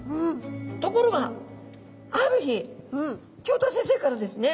ところがある日教頭先生からですね